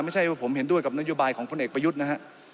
ไม่ใช่ว่าผมเห็นด้วยกับนโยบายของพลเอกประยุทธ์นะฮะ